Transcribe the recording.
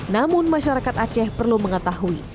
namun masyarakat aceh perlu mengetahui